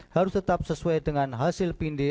harus tetap sesuai dengan hasil pinde